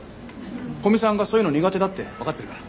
古見さんがそういうの苦手だって分かってるから。